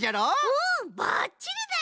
うんばっちりだよ！